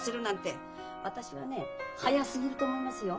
私はね早すぎると思いますよ。